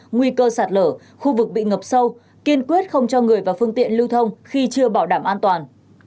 nguy cơ sạt lở khu vực bị ngập sâu kiên quyết không cho người và phương tiện lưu thông khi chưa bảo đảm an toàn